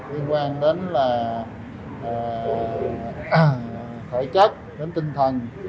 liên quan đến là khởi chất đến tinh thần